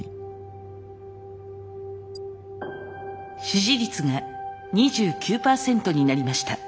支持率が２９％になりました。